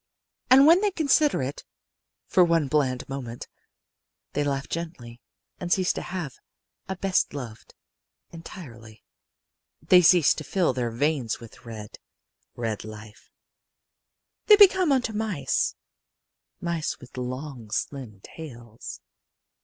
And when they consider it for one bland moment they laugh gently and cease to have a best loved, entirely; they cease to fill their veins with red, red life; they become like unto mice mice with long slim tails.